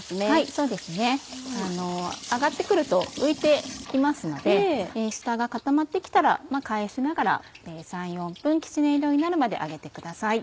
そうですね揚がって来ると浮いて来ますので下が固まって来たら返しながら３４分きつね色になるまで揚げてください。